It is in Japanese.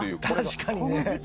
確かにね。